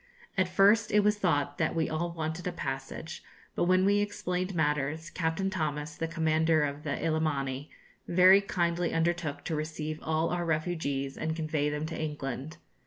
At first it was thought that we all wanted a passage, but when we explained matters Captain Thomas, the commander of the 'Illimani,' very kindly undertook to receive all our refugees and convey them to England.